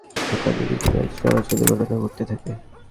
আবার একই প্লেট ব্যবহার করে একাধিক ইজিবাইক চলাচলের ঘটনাও ঘটতে থাকে।